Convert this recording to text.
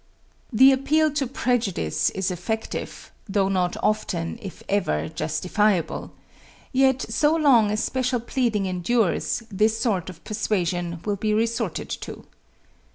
The appeal to prejudice is effective though not often, if ever, justifiable; yet so long as special pleading endures this sort of persuasion will be resorted to.